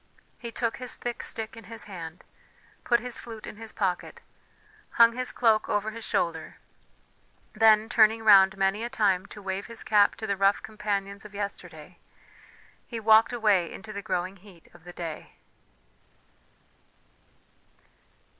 He took his thick stick in his hand, put his flute in his pocket, hung his cloak over his shoulder; then, turning round many a time to wave his cap to the rough companions of yesterday, he walked away into the growing heat of the day.